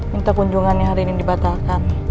minta kunjungan yang hari ini dibatalkan